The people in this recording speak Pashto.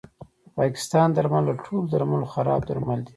د پاکستان درمل له ټولو درملو خراب درمل دي